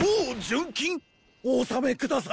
お納めください。